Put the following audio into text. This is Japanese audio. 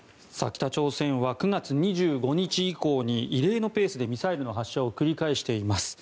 北朝鮮は９月２５日以降に異例のペースでミサイルの発射を繰り返しています。